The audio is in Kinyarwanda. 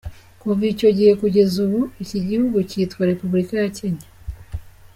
Kuva icyo gihe kugeza ubu, iki gihugu cyitwa Repubulika ya Kenya.